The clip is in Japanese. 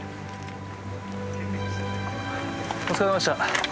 お疲れさまでした。